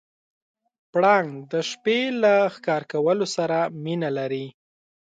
پړانګ د شپې له ښکار کولو سره مینه لري.